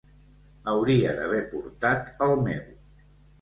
Hauria d'haver portat el meu.